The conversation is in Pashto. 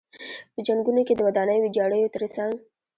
په جنګونو کې د ودانیو ویجاړیو تر څنګ.